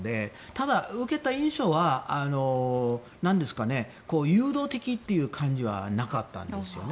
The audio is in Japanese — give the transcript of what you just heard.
ただ、受けた以上は誘導的という感じはなかったんですよね。